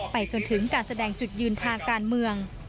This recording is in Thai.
จนถึงการแสดงจุดยืนทางการเมือง